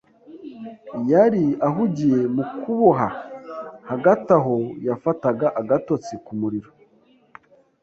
Yari ahugiye mu kuboha Hagati aho, yafataga agatotsi ku muriro